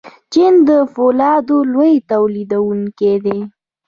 چین د فولادو لوی تولیدونکی دی.